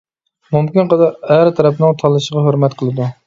مۇمكىن قەدەر ئەر تەرەپنىڭ تاللىشىغا ھۆرمەت قىلىدۇ.